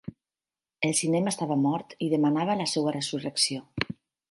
El cinema estava mort i demanava la seva resurrecció.